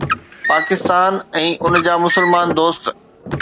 پاڪستان ۽ ان جا مسلمان دوست